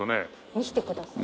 見せてください。